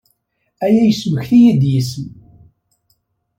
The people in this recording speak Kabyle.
Aya yesmekti-iyi-d yes-m.